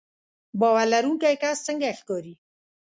باور لرونکی کس څنګه ښکاري